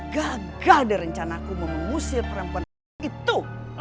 gagal dari rencanaku memengusil perempuan itu